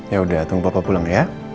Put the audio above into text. ya udah tunggu papa pulang ya